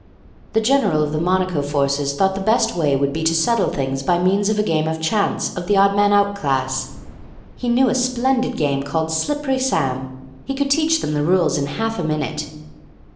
The general of the Monaco forces thought the best way would be to settle the thing by means of a game of chance of the odd man out class. He knew a splendid game called Slippery Sam. He could teach them the rules in half a minute.